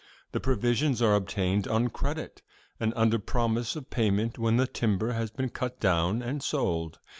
The provisions are obtained on credit and under promise of payment when the timber has been cut down and sold.